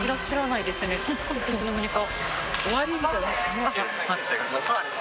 いつの間にか。